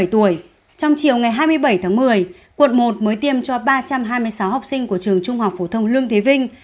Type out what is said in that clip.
trong chiều ngày hai mươi bảy tháng một mươi quận một mới tiêm cho ba trăm hai mươi sáu học sinh của trường trung học phổ thông lương thế vinh